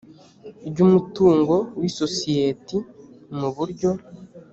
ry umutungo w isosiyeti mu buryo